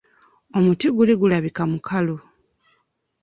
Omuti guli gulabika mukalu.